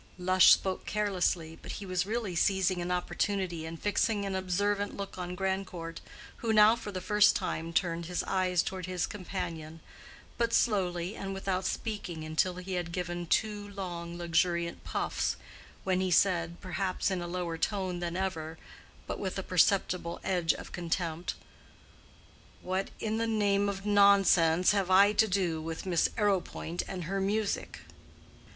Lush spoke carelessly, but he was really seizing an opportunity and fixing an observant look on Grandcourt, who now for the first time, turned his eyes toward his companion, but slowly and without speaking until he had given two long luxuriant puffs, when he said, perhaps in a lower tone than ever, but with a perceptible edge of contempt, "What in the name of nonsense have I to do with Miss Arrowpoint and her music?"